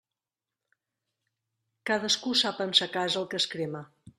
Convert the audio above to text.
Cadascú sap en sa casa el que es crema.